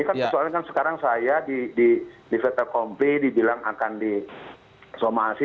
ini kan soal nya kan sekarang saya difetak komplis dibilang akan disomasi